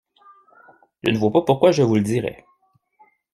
Je ne vois pas pourquoi je vous le dirais.